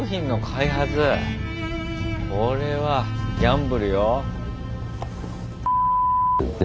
これはギャンブルよ。